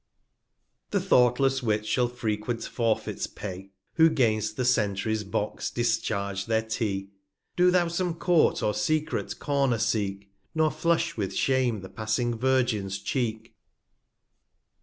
174 The thoughtless Wits shall frequent Forfeits pay, I Who 'gainst the Gentry's Box discharge their Tea. j Do thou some Court, or secret Corner seek, Nor flush with Shame the passing Virgin's Cheek.